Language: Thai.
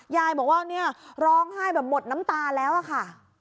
ยายบอกว่าเนี่ยร้องไห้แบบหมดน้ำตาแล้วอะค่ะ